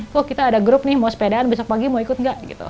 kok kita ada grup nih mau sepedaan besok pagi mau ikut gak gitu